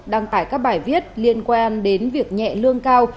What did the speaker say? đăng tải các bài viết liên quan đến việc nhẹ lương cao